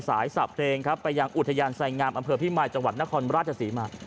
สายสระเพลงครับไปยังอุทยานไสงามอำเภอพิมายจังหวัดนครราชศรีมา